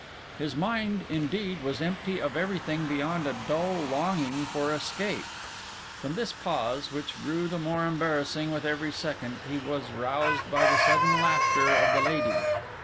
His mind, indeed, was empty of everything beyond a dull longing for escape. From this pause, which grew the more embarrassing with every second, he was roused by the sudden laughter of the lady.